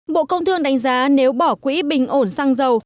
bộ công thương đánh giá nếu bỏ quỹ bình ổn xăng dầu